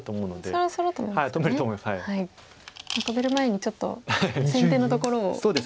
止める前にちょっと先手のところを打とうと。